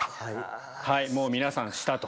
もう皆さん下と。